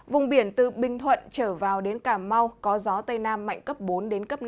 vùng biển từ bình thuận trở vào đến cà mau có gió tây nam mạnh cấp bốn đến cấp năm